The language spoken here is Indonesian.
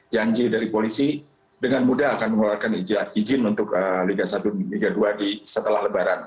janji dari polisi dengan mudah akan mengeluarkan izin untuk liga satu liga dua setelah lebaran